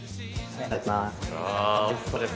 いただきます。